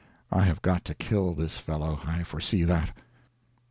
I have got to kill this fellow—I foresee that.